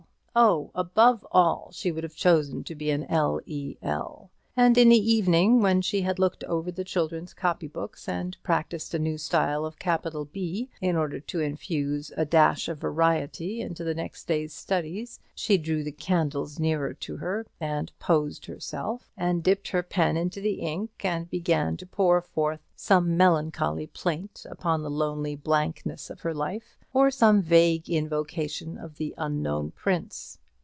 oh, above all she would have chosen to be L.E.L.; and in the evening, when she had looked over the children's copy books, and practised a new style of capital B, in order to infuse a dash of variety into the next day's studies, she drew the candles nearer to her, and posed herself, and dipped her pen into the ink, and began to pour forth some melancholy plaint upon the lonely blankness of her life, or some vague invocation of the unknown prince.